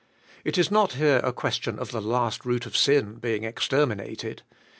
It is not here a question of the last root of sin being exter minated.